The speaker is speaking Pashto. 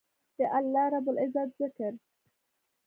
د الله رب العزت ذکر